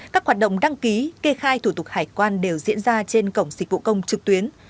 các hoạt động đăng ký kê khai thủ tục hải quan đều diễn ra trên cổng dịch vụ công trực tuyến